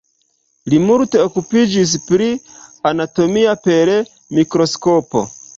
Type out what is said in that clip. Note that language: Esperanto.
Li multe okupiĝis pri anatomio per mikroskopo.